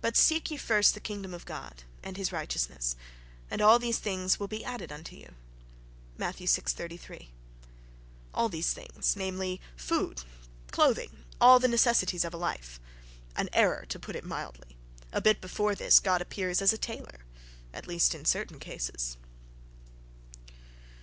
"But seek ye first the kingdom of God, and his righteousness; and all these things shall be added unto you." (Matthew vi, 33.)—All these things: namely, food, clothing, all the necessities of life. An error, to put it mildly.... A bit before this God appears as a tailor, at least in certain cases....